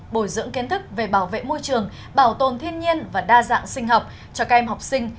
bồi dưỡng kiến thức về bảo vệ môi trường bảo tồn thiên nhiên và đa dạng sinh học cho các em học sinh